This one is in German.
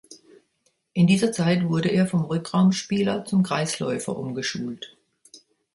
In dieser Zeit wurde er vom Rückraumspieler zum Kreisläufer umgeschult.